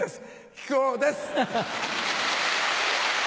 木久扇です。